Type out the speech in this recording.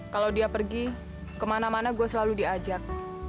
kalau dia pergi kemana mana gue selalu diajak